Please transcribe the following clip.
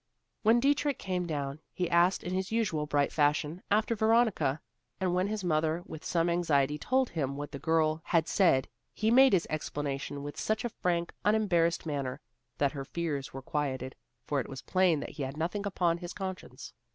When Dietrich came down, he asked in his usual bright fashion, after Veronica, and when his mother with some anxiety told him what the girl had said, he made his explanation with such a frank, unembarrassed manner, that her fears were quieted; for it was plain that he had nothing upon his conscience.